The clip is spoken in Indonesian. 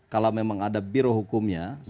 kalau memang ada biro hukumnya